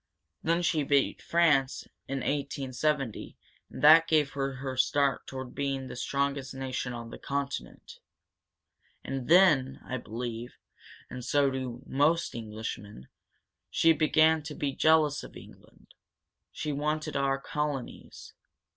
Then she beat France, in 1870, and that gave her her start toward being the strongest nation on the continent. "And then, I believe and so do most Englishmen she began to be jealous of England. She wanted our colonies.